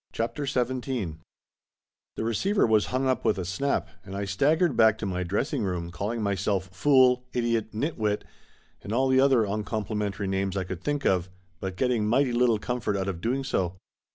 CHAPTER XVII / "T~ V HE receiver was hung up with a snap, and I stag * gered back to my dressing room calling myself fool, idiot, nitwit, and all the other uncomplimentary names I could think of, but getting mighty little com fort out of doing so.